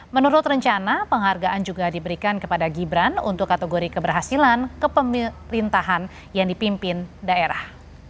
menurut rencana penghargaan juga diberikan kepada gibran untuk kategori keberhasilan kepemerintahan yang dipimpin daerah